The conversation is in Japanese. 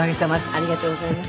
ありがとうございます。